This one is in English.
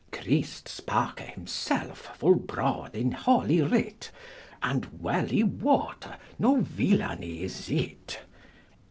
Christ spake himself full broad in holy writ, And well I wote no villany is it.